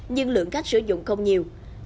nhưng lượng khách sử dụng đã đạt được một triển khai